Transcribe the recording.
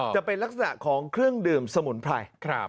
จะเป็นลักษณะของเครื่องดื่มสมุนไพร